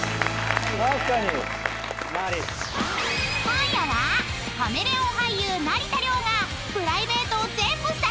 ［今夜はカメレオン俳優成田凌がプライベートを全部さらけ出す！］